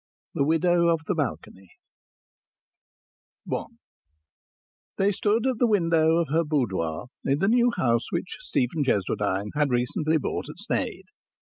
THE WIDOW OF THE BALCONY I They stood at the window of her boudoir in the new house which Stephen Cheswardine had recently bought at Sneyd.